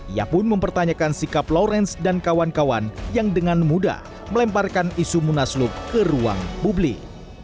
ia pun mempertanyakan sikap lawrence dan kawan kawan yang dengan mudah melemparkan isu munaslup ke ruang publik